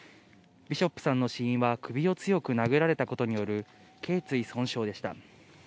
ビショップさんの死因は、首を強く殴られたことによるけい椎損傷でした。